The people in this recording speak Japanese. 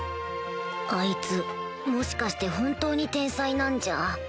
あいつもしかして本当に天才なんじゃ